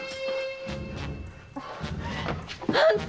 あんた！